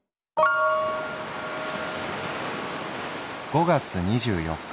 「５月２４日。